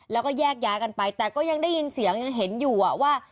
แล้วก็แยกย้ายกันไปแต่ก็ยังได้ยินเสียงยังเห็นอยู่ว่า